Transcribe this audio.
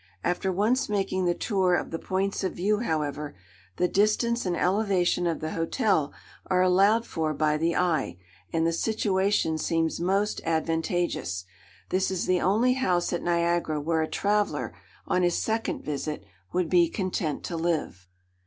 After once making the tour of the points of view, however, the distance and elevation of the hotel are allowed for by the eye, and the situation seems most advantageous. This is the only house at Niagara where a traveller, on his second visit, would be content to live.